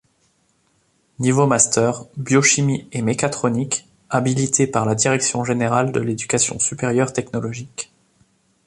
Niveau Master: Biochimie et Mécatronique, habilités par la Direction Générale de l´Education Supérieure Technologique.